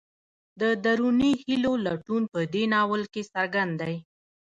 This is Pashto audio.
د دروني هیلو لټون په دې ناول کې څرګند دی.